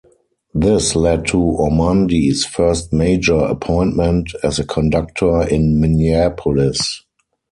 This led to Ormandy's first major appointment as a conductor, in Minneapolis.